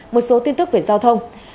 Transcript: một số tin tức về giao thông